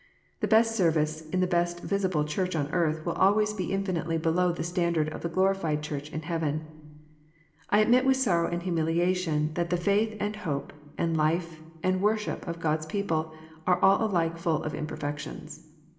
The best service in the best visible Church on earth will always be infinitely below the standard of the glorified Church in heaven. I admit with sorrow and humiliation, that the faith, and hope, and life, and worship of God s people are all alike full of imperfections.